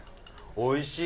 おいしい！